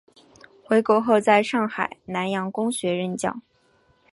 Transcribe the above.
回国后在上海南洋公学任教。